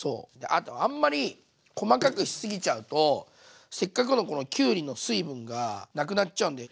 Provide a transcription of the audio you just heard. あとあんまり細かくしすぎちゃうとせっかくのこのきゅうりの水分がなくなっちゃうんで。